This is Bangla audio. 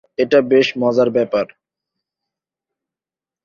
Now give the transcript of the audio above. এটা বেশ মজার ব্যপার।